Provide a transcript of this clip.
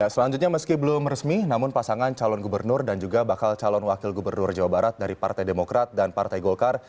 selanjutnya meski belum resmi namun pasangan calon gubernur dan juga bakal calon wakil gubernur jawa barat dari partai demokrat dan partai golkar